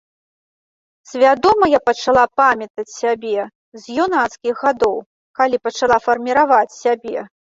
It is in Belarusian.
Свядома я пачала памятаць сябе з юнацкіх гадоў, калі пачала фарміраваць сябе.